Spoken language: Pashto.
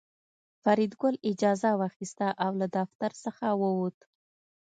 فریدګل اجازه واخیسته او له دفتر څخه ووت